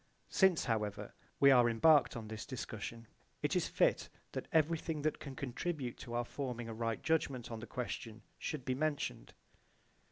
Since, however, we are embarked on this discussion, it is fit that everything that can contribute to our forming a right judgment on the question should be mentioned.